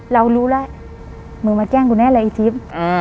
เรารู้แล้วมึงมาแกล้งกูแน่เลยไอ้ทิพย์